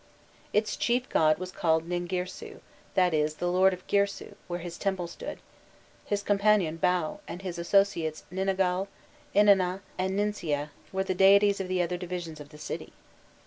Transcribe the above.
Its chief god was called Ningirsu, that is, the lord of Girsu, where his temple stood: his companion Bau, and his associates Ninagal, Innanna and Ninsia, were the deities of the other divisions of the city.